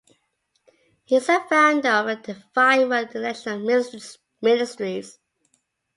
He is the founder of the Divine Word International Ministries.